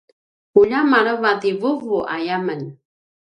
ulja maleva ti vuvu aya men